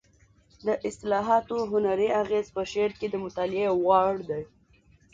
د اصطلاحاتو هنري اغېز په شعر کې د مطالعې وړ دی